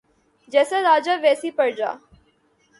جیسا راجا ویسی پرجا